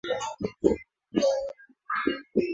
Mwanamke ataamua mwenyewe kama atajiunga na mgeni huyo